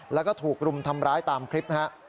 แล้วก็ถูกรุมทำร้ายตามคลิปนะฮะ